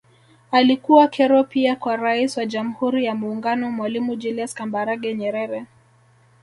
Alikuwa kero pia kwa Rais wa Jamhuri ya Muungano Mwalimu Julius Kambarage Nyerere